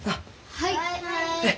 はい。